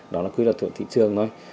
đó là quy luật thuận thị trường thôi